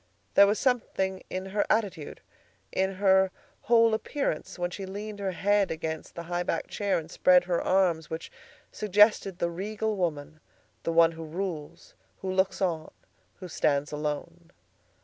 There was something in her attitude, in her whole appearance when she leaned her head against the high backed chair and spread her arms, which suggested the regal woman, the one who rules, who looks on, who stands alone.